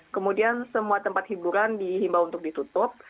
kemudian semua tempat hiburan dihimbau untuk ditutup